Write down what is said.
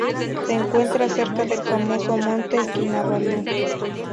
Se encuentra cerca del famoso Monte Kinabalu.